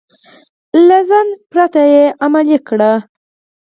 له ځنډ پرته يې عملي کړئ.